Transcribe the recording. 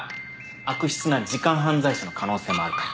悪質な時間犯罪者の可能性もあるから。